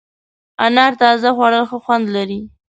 انار تازه خوړل ښه خوند لري.